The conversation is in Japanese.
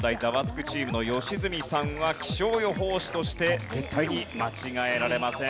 チームの良純さんは気象予報士として絶対に間違えられません。